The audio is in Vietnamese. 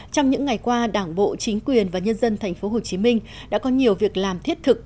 trong những ngày qua đảng bộ chính quyền và nhân dân thành phố hồ chí minh đã có nhiều việc làm thiết thực